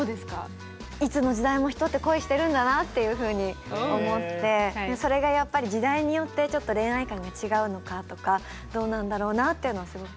いつの時代も人って恋してるんだなっていうふうに思ってそれがやっぱり時代によってちょっと恋愛観が違うのかとかどうなんだろうなっていうのはすごく気になります。